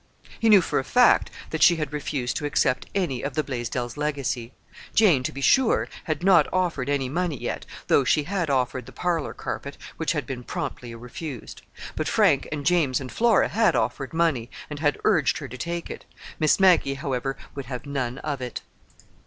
He knew, for a fact, that she had refused to accept any of the Blaisdells' legacy. Jane, to be sure, had not offered any money yet (though she had offered the parlor carpet, which had been promptly refused), but Frank and James and Flora had offered money, and had urged her to take it. Miss Maggie, however would have none of it.